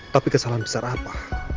tapi kesalahan besar apa